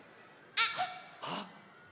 あっ！